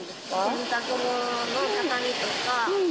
洗濯物を畳むとか。